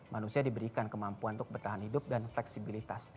manusia diberikan kemampuan untuk bertahan hidup dan fleksibilitas